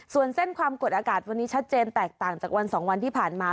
ส่วนเส้นความกดอากาศวันนี้ชัดเจนแตกต่างจากวัน๒วันที่ผ่านมา